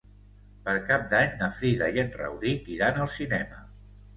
Per Cap d'Any na Frida i en Rauric iran al cinema.